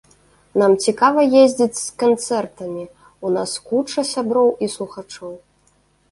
Нам цікава ездзіць з канцэртамі, у нас куча сяброў і слухачоў.